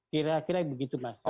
kira kira begitu mas